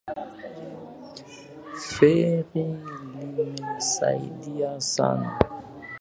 Ferry limesaidia sana